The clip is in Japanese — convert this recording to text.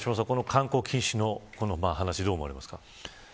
観光禁止の話どう思われますか。